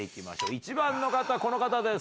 １番の方この方です。